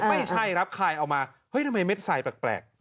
ไม่ใช่ครับคลายเอามาเฮ้ยทำไมเม็ดไซดแปลก